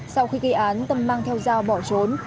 sau khi gây án tâm mang theo dao bỏ trốn